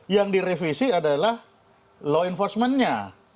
yang direvisi adalah law enforcementnya